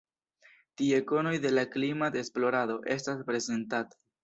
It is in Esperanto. Tie konoj de la klimat-esplorado estas prezentataj.